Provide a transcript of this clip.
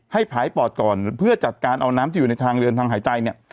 ผายปอดก่อนเพื่อจัดการเอาน้ำที่อยู่ในทางเรือนทางหายใจเนี่ย